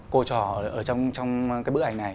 cô trò ở trong cái bức ảnh này